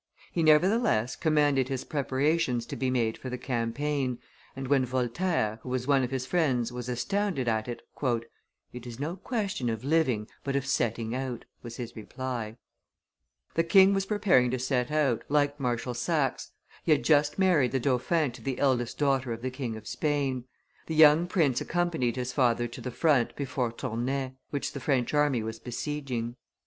He nevertheless commanded his preparations to be made for the campaign, and, when Voltaire, who was one of his friends, was astounded at it, "It is no question of living, but of setting out," was his reply. [Illustration: Marshal Saxe 154] The king was preparing to set out, like Marshal Saxe; he had just married the dauphin to the eldest daughter of the King of Spain; the young prince accompanied his father to the front before Tournai, which the French army was besieging.